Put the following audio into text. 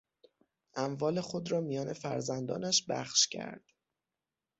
اموال خود را میان فرزندانش بخش کرد.